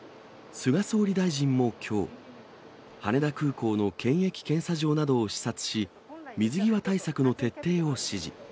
菅総理大臣もきょう、羽田空港の検疫検査場などを視察し、水際対策の徹底を指示。